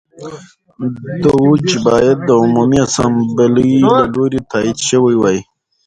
دوج باید د عمومي اسامبلې له لوري تایید شوی وای.